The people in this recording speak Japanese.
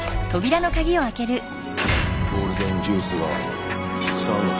ゴールデンジュースがたくさんあんのかな？